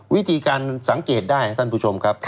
วิธีการสังเกตได้ท่านผู้ชมครับ